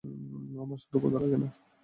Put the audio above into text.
আমার ক্ষুধা লাগে না।